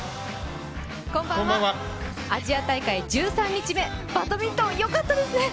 アジア大会１３日目、バドミントン、よかったですね！